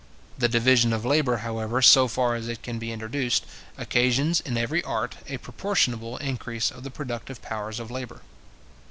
The division of labour, however, so far as it can be introduced, occasions, in every art, a proportionable increase of the productive powers of labour.